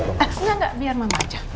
eh seneng gak biar mama aja